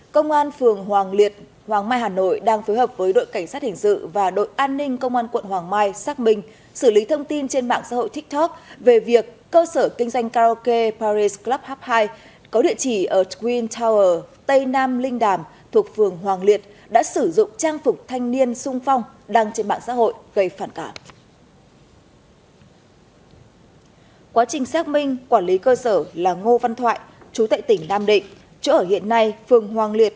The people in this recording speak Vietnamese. công an phường hoàng liệt hoàng mai hà nội đang phối hợp với đội cảnh sát hình sự và đội an ninh công an quận hoàng mai xác minh xử lý thông tin trên mạng xã hội tiktok về việc cơ sở kinh doanh karaoke paris club h hai có địa chỉ ở twin tower tây nam linh đàm thuộc phường hoàng liệt đã sử dụng trang phục thanh niên sung phong đăng trên mạng xã hội gây phản cản